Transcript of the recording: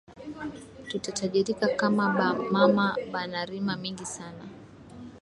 Tuta tajirika kama ba mama bana rima mingi sana